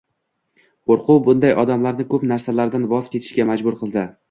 Qo‘rquv bunday odamlarni ko‘p narsalardan voz kechishga majbur qildi.